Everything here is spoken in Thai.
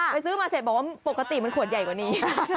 ซื้อมาเสร็จบอกว่าปกติมันขวดใหญ่กว่านี้